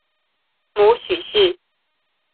母许氏。